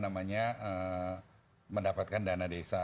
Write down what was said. mendapatkan dana desa